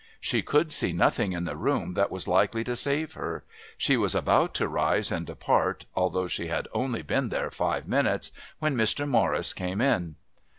She could see nothing in the room that was likely to save her. She was about to rise and depart, although she had only been there five minutes, when Mr. Morris came in.